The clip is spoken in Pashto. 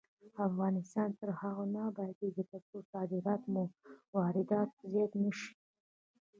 افغانستان تر هغو نه ابادیږي، ترڅو صادرات مو تر وارداتو زیات نشي.